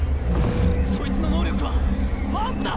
そいつの能力はワープだ！！